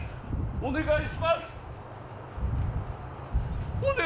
お願いします。